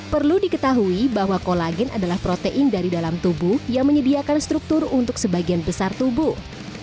perlu diketahui bahwa kolagen adalah protein dari dalam tubuh yang menyediakan struktur untuk sebagian besar tubuh